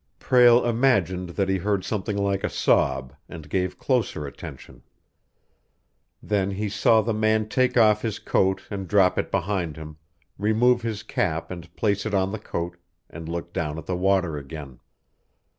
Prale imagined that he heard something like a sob, and gave closer attention. Then he saw the man take off his coat and drop it behind him, remove his cap and place it on the coat, and look down at the water again.